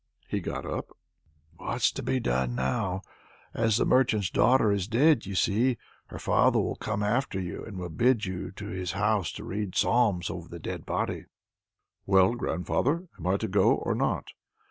He got up. "What's to be done now? As the merchant's daughter is dead, you see, her father will come after you, and will bid you to his house to read psalms over the dead body." "Well, grandfather, am I to go, or not?"